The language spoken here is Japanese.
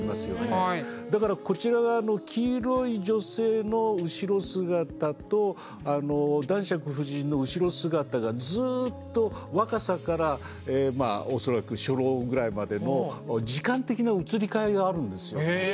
だからこちら側の黄色い女性の後ろ姿と男爵夫人の後ろ姿がずっと若さからまあ恐らく初老ぐらいまでの時間的な移り変わりがあるんですよ。